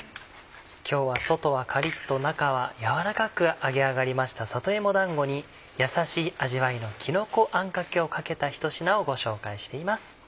今日は外はカリっと中は軟らかく揚げ上がりました里芋だんごに優しい味わいのきのこあんかけをかけたひと品をご紹介しています。